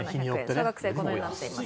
小学生はこのようになっています。